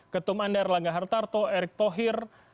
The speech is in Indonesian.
ketum andar langahartarto erick thohir